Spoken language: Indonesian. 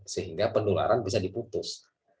sehingga penularan bisa diputus